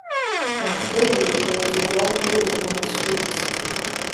And thirdly, there is a lot of litter on the streets.